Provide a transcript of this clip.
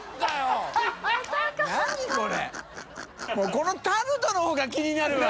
このタルトの方が気になるわ。